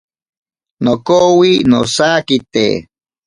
Nokowi nosakite.